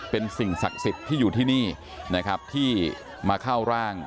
เป็นสิ่งศักดิ์สิทธิ์ที่อยู่ที่นี่นะครับที่มาเข้าร่าง